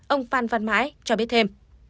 ông phan văn mãi cho biết thêm